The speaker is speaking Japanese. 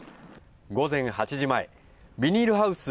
午前８時前、ビニールハウス